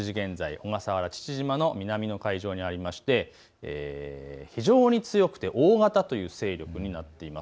午後６時現在、父島の南の海上にありまして、非常に強くて大型という勢力になっています。